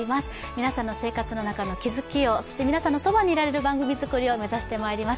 皆さんの生活の中の気付きを、そして皆さんのそばにいられる番組作りをしていきます。